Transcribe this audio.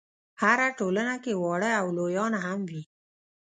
هره ټولنه کې واړه او لویان هم وي.